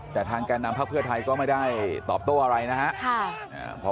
แต่ทางแก่นำพักเพื่อไทยก็ไม่ได้ตอบโต้อะไรนะครับ